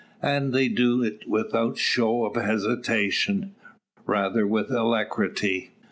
And they do it without show of hesitation rather with alacrity.